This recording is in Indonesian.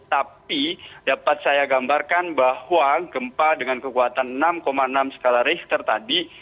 tapi dapat saya gambarkan bahwa gempa dengan kekuatan enam enam skala richter tadi